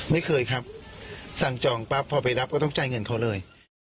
ไม่เคยครับสั่งจองปั๊บพอไปรับก็ต้องจ่ายเงินเขาเลย